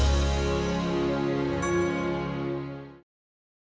sebelum kami bisa merancang yang lama semua dan brewer caves vamos